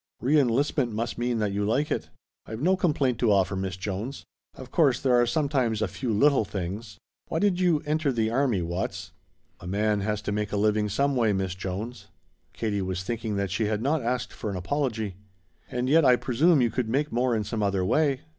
"Re enlistment must mean that you like it." "I've no complaint to offer, Miss Jones. Of course there are sometimes a few little things " "Why did you enter the army, Watts?" "A man has to make a living some way, Miss Jones." Katie was thinking that she had not asked for an apology. "And yet I presume you could make more in some other way.